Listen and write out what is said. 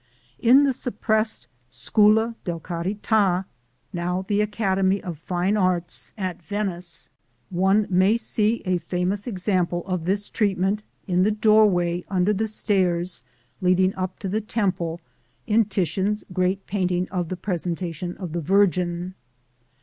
In the suppressed Scuola della Carità (now the Academy of Fine Arts) at Venice, one may see a famous example of this treatment in the doorway under the stairs leading up to the temple, in Titian's great painting of the "Presentation of the Virgin."